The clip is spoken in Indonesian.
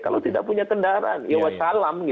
kalau tidak punya kendaraan ya wassalam